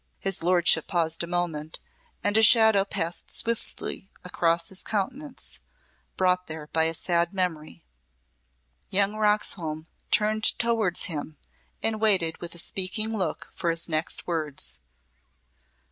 His lordship paused a moment, and a shadow passed swiftly across his countenance, brought there by a sad memory. Young Roxholm turned towards him and waited with a speaking look for his next words.